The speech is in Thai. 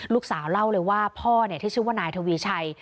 ลูกสาวเล่าเลยว่าพ่อที่ชื่อว่านายทวีชัย